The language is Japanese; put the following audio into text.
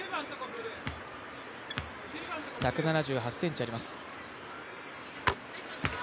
１７８ｃｍあります。